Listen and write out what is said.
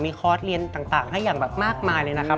คอร์สเรียนต่างให้อย่างแบบมากมายเลยนะครับ